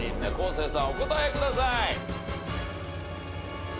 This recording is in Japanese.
生さんお答えください。